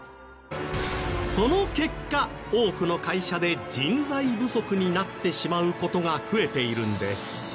その結果多くの会社で人材不足になってしまう事が増えているんです。